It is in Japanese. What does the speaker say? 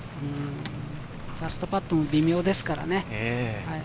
ファーストパットも微妙ですからね。